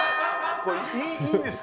これ、いいんですか？